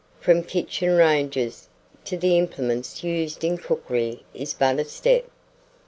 FROM KITCHEN RANGES to the implements used in cookery is but a step.